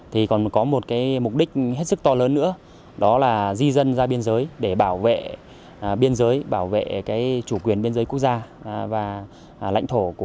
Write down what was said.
thì còn có một mục đích hết sức to lớn nữa đó là di dân ra biên giới để bảo vệ biên giới bảo vệ chủ quyền biên giới quốc gia